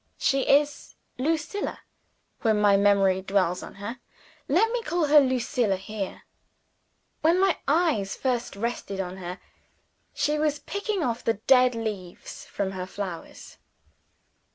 She is "Lucilla" when my memory dwells on her. Let me call her "Lucilla" here. When my eyes first rested on her, she was picking off the dead leaves from her flowers.